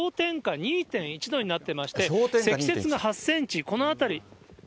２．１度になっていまして、積雪が８センチ。